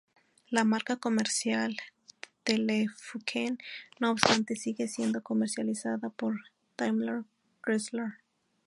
La marca comercial "Telefunken", no obstante, sigue siendo comercializada por DaimlerChrysler.